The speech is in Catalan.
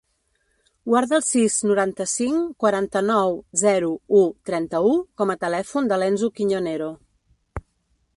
Guarda el sis, noranta-cinc, quaranta-nou, zero, u, trenta-u com a telèfon de l'Enzo Quiñonero.